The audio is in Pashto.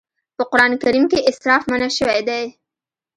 په قرآن کريم کې اسراف منع شوی دی.